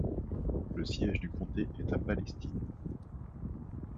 Le siège du comté est à Palestine.